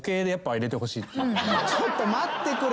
ちょっと待ってくれよ！